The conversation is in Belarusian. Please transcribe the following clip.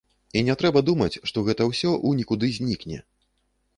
І не трэба думаць, што гэта ўсё ў нікуды знікне.